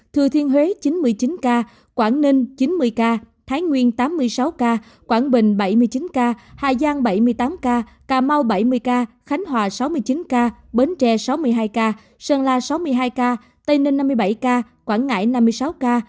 thừa thiên huế chín mươi chín ca quảng ninh chín mươi ca thái nguyên tám mươi sáu ca quảng bình bảy mươi chín ca hà giang bảy mươi tám ca cà mau bảy mươi ca khánh hòa sáu mươi chín ca bến tre sáu mươi hai ca sơn la sáu mươi hai ca tây ninh năm mươi bảy ca quảng ngãi năm mươi sáu ca